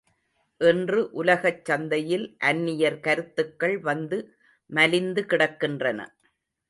இன்று உலகச் சந்தையில் அந்நியர் கருத்துக்கள் வந்து மலிந்து கிடக்கின்றன.